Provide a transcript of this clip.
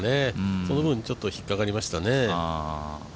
その分ちょっと引っかかりましたね。